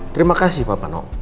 terima kasih papa nob